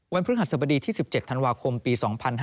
วันพฤหัสสบดี๑๗ธันวาคมปี๒๕๕๘